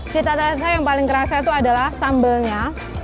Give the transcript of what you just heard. cita rasa yang paling kerasa itu adalah sambalnya